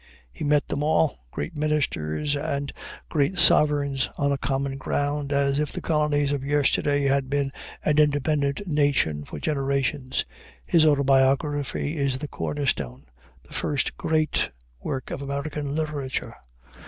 He met them all, great ministers and great sovereigns, on a common ground, as if the colonies of yesterday had been an independent nation for generations. His autobiography is the corner stone, the first great work of American literature.